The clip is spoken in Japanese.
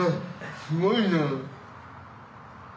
すごいな。